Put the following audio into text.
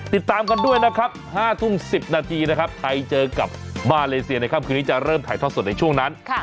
ติดตามกันด้วยนะครับ๕ทุ่ม๑๐นาทีนะครับไทยเจอกับมาเลเซียในค่ำคืนนี้จะเริ่มถ่ายทอดสดในช่วงนั้น